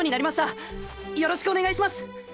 よろしくお願いします！